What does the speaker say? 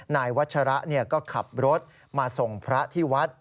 นายวัชระก็ขับรถมาส่งพระที่วัด